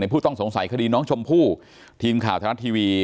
ผู้ต้องสงสัยคดีน้องชมพู่ทีมข่าวไทยรัฐทีวี